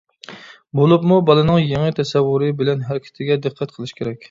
بولۇپمۇ بالىنىڭ يېڭى تەسەۋۋۇرى بىلەن ھەرىكىتىگە دىققەت قىلىش كېرەك.